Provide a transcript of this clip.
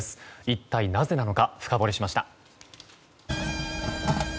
一体なぜなのか深掘りしました。